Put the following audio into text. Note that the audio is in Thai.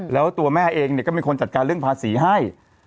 แล้วตัวแม่เองก็เป็นคนจัดการเรื่องภาษีให้